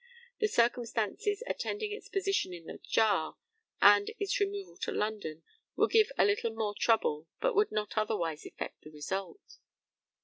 The circumstances attending its position in the jar, and its removal to London, would give a little more trouble, but would not otherwise effect the result.